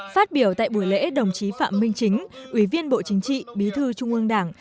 phát biểu tại buổi lễ đồng chí phạm minh chính ủy viên bộ chính trị bí thư trung ương đảng